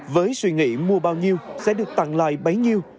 với suy nghĩ mua bao nhiêu sẽ được tặng lại bấy nhiêu